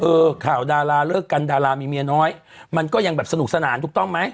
ข่าวดาราเลิกกันดารามีเมียน้อยมันก็ยังแบบสนุกสนานถูกต้องไหม